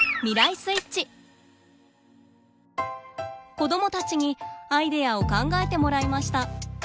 子どもたちにアイデアを考えてもらいました。